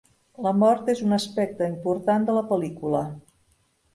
La mort és un aspecte important de la pel·lícula.